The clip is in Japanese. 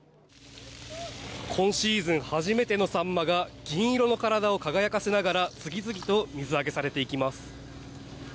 今シーズン初めてのサンマが銀色の体を輝かせながら次々と水揚げされていきます。